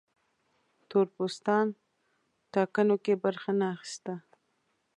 تور پوستان ټاکنو کې برخه نه اخیسته.